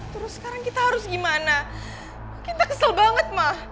terus sekarang kita harus gimana kita kesel banget mah